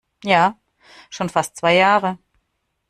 Ja, schon fast zwei Jahre.